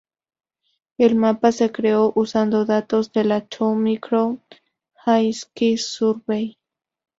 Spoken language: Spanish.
El mapa se creó usando datos de la Two-Micron All-Sky Survey.